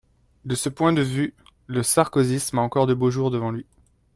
De ce point de vue, le sarkozysme a encore de beaux jours devant lui.